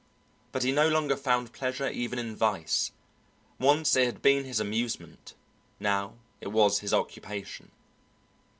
But he no longer found pleasure even in vice; once it had been his amusement, now it was his occupation.